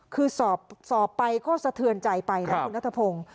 คือสอบไปก็สะเทือนใจไปนะคุณนัทพงศ์